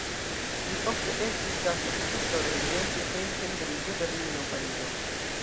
Li ofte estis gastoprofesoro ekzemple en Kembriĝo, Berlino, Parizo.